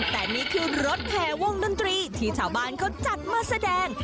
แต่นี่คือรถแห่วงดนตรีที่ชาวบ้านเขาจัดมาแสดง